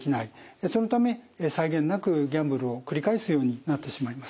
そのため際限なくギャンブルを繰り返すようになってしまいます。